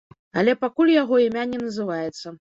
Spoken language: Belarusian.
Але пакуль яго імя не называецца.